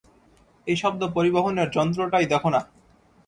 এই শব্দ পরিবহনের যন্ত্রটাই দেখো না।